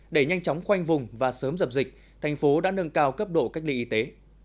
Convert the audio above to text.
để nhanh chóng khoanh vùng và sớm dập dịch thành phố đã nâng cao cấp độ cách ly y tế